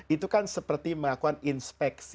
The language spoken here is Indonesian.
itu kan seperti melakukan inspeksi